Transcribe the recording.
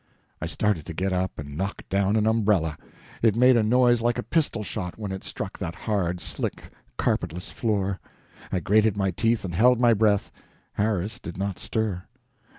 I started to get up, and knocked down an umbrella; it made a noise like a pistol shot when it struck that hard, slick, carpetless floor; I grated my teeth and held my breath Harris did not stir.